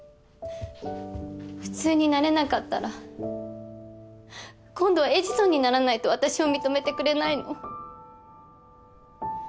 普通になれなかったら今度はエジソンにならないと私を認めてくれないの？